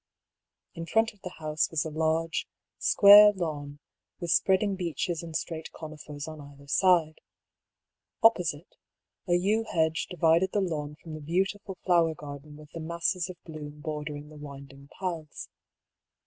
In front of the house was a large, square lawn, with spreading beeches and straight conifers on either side. Opposite, a yew hedge divided the lawn from the beautiful flow er garden with the masses of bloom bordering the winding paths.